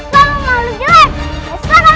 jangan kamu makhluk jelek